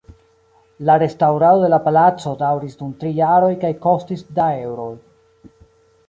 La restaŭrado de la palaco daŭris dum tri jaroj kaj kostis da eŭroj.